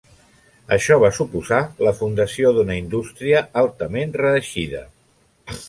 Això va suposar la fundació d'una indústria altament reeixida.